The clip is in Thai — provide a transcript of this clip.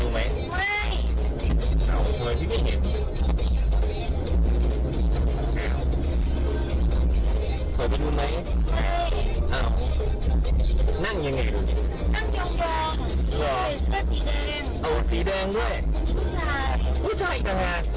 มันคืออะไรค่ะ